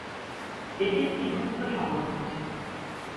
এটি একটি গুপ্ত সংগঠন ছিল।